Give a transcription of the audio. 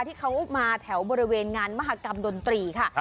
ที่เขามาแถวบริเวณงานมหากรรมดนตรีค่ะ